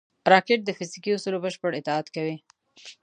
راکټ د فزیکي اصولو بشپړ اطاعت کوي